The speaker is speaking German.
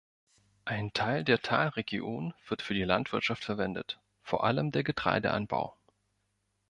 Ein Teil der Talregion wird für die Landwirtschaft verwendet, vor allem der Getreideanbau.